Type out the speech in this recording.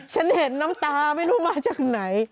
ฉันเห็นน้ำตาไม่รู้มาจากไหน